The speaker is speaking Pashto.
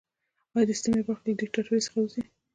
ایا د سیستم یوه برخه له دیکتاتورۍ څخه وځي؟